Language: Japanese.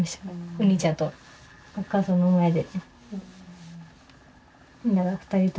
お兄ちゃんとお母さんの前で。